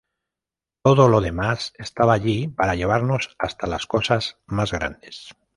Todo lo demás estaba allí para llevarnos hasta las cosas más grandes.